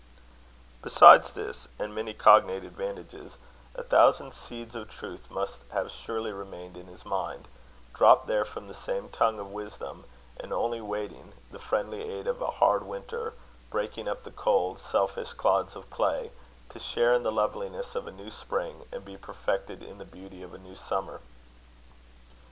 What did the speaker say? Besides this, and many cognate advantages, a thousand seeds of truth must have surely remained in his mind, dropped there from the same tongue of wisdom, and only waiting the friendly aid of a hard winter, breaking up the cold, selfish clods of clay, to share in the loveliness of a new spring, and be perfected in the beauty of a new summer.